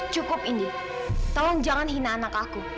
cukup ini tolong jangan hina anak aku